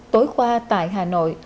tối khoa tại hà nội